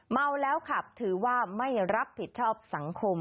เมาแล้วขับถือว่าไม่รับผิดชอบสังคม